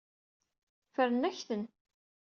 Ffren-ak-ten.